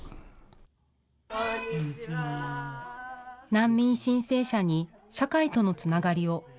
難民申請者に社会とのつながりを。